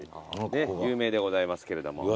有名でございますけれども。